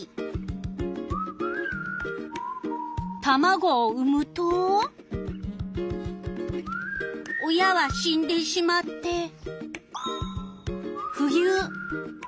タマゴを産むと親は死んでしまって。